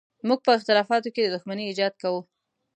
موږ په اختلافاتو کې د دښمنۍ ایجاد کوو.